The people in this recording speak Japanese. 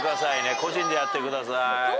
個人でやってください。